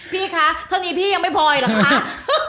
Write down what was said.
พี่คะเท่านี้พี่ยังไม่พออีกหรอกค่ะ